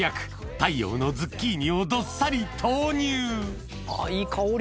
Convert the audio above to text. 太陽のズッキーニをどっさり投入あいい香り。